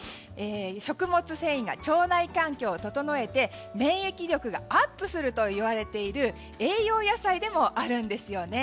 食物繊維が腸内環境を整えて免疫力がアップするといわれている栄養野菜でもあるんですよね。